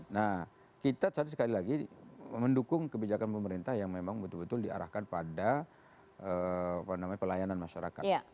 nah kita satu sekali lagi mendukung kebijakan pemerintah yang memang betul betul diarahkan pada pelayanan masyarakat